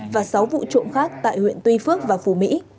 và sáu vụ trộm khác tại huyện tuy phước và phù mỹ